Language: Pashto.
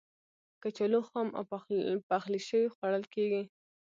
کچالو خام او پخلی شوی خوړل کېږي.